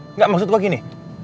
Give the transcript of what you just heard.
enggak maksud gue gini